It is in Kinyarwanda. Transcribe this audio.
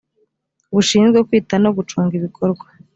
bushinzwe kwita no gucunga ibikorwa